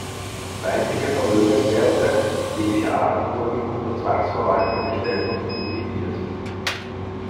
Feindliche Vermögenswerte jeglicher Art wurden unter Zwangsverwaltung gestellt und liquidiert.